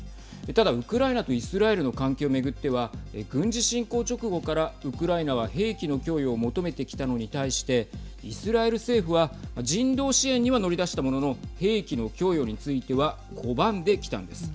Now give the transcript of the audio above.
ただ、ウクライナとイスラエルの関係を巡っては軍事侵攻直後から、ウクライナは兵器の供与を求めきたのに対してイスラエル政府は人道支援には乗り出したものの兵器の供与については拒んできたんです。